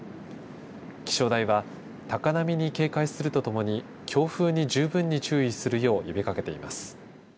気象台は高波に警戒するとともに強風に十分に注意するよう呼びかけています。